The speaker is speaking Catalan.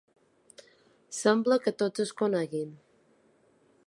Sembla que tots es coneguin.